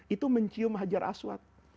itu mencium hajar aswat